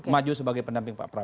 maju sebagai pendamping pak prabowo